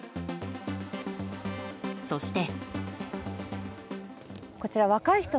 そして。